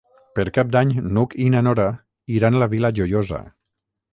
Per Cap d'Any n'Hug i na Nora iran a la Vila Joiosa.